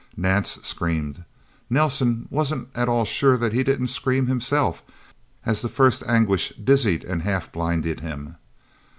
Nance screamed. Nelsen wasn't at all sure that he didn't scream himself as the first anguish dizzied and half blinded him.